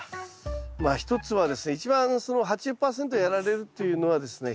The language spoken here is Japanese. まあ一つはですね一番その８０％やられるっていうのはですね